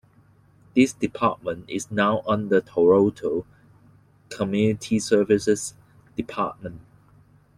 This department is now under Toronto Community Services department.